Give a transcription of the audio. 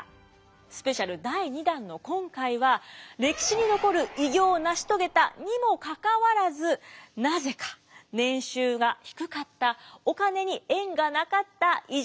スペシャル第２弾の今回は歴史に残る偉業を成し遂げたにもかかわらずなぜか年収が低かった「お金に縁がなかった偉人